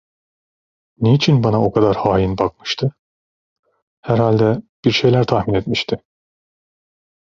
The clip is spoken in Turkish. Niçin bana o kadar hain bakmıştı? Herhalde bir şeyler tahmin etmişti.